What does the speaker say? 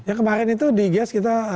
ya kemarin itu di gas kita